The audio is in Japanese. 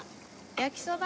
焼きそば！